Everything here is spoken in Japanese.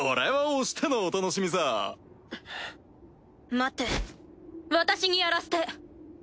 待って私にやらせて。